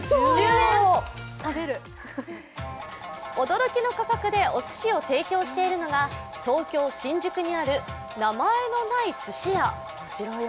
驚きの価格でおすしを提供しているのが東京・新宿にある名前のない寿司屋。